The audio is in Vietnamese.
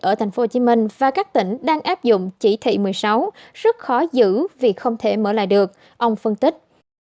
ở tp hcm và các tỉnh đang áp dụng chỉ thị một mươi sáu rất khó giữ vì không thể mở lại được ông phân tích